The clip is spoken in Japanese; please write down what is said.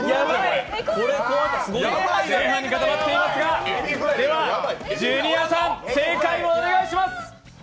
前半に固まっていますが、ジュニアさん正解をお願いします。